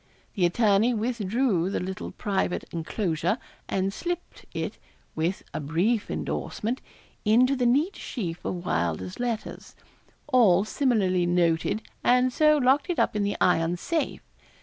The attorney withdrew the little private enclosure, and slipt it, with a brief endorsement, into the neat sheaf of Wylder's letters, all similarly noted, and so locked it up in the iron safe.